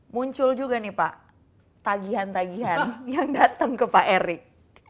muncul juga nih pak tagihan tagihan yang datang ke pak erik